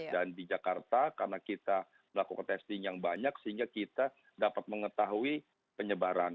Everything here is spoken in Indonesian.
dan di jakarta karena kita melakukan testing yang banyak sehingga kita dapat mengetahui penyebaran